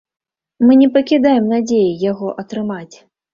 Мы не пакідаем надзеі яго атрымаць.